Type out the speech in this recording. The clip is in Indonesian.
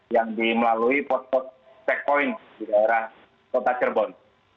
yang dimelalui pot pot checkpoint di daerah kota cirebon